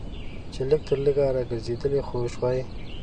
چې لږ تر لږه راګرځېدلی خو شوای.